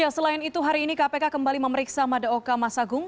selain itu hari ini kpk kembali memeriksa madaoka masagung